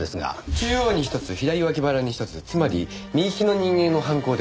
中央に１つ左脇腹に１つつまり右利きの人間の犯行です。